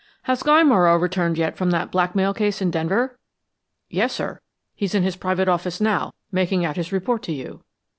"Has Guy Morrow returned yet from that blackmail case in Denver?" "Yes, sir. He's in his private office now, making out his report to you."